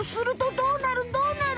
どうなる？